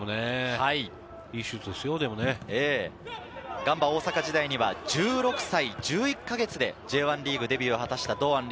ガンバ大阪時代には１６歳１１か月でＪ１リーグ、デビューを果たした堂安律。